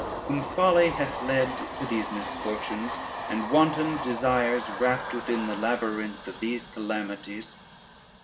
whom folly hath led to these misfortunes, and wanton desires wrapped within the labyrinth of these calamities!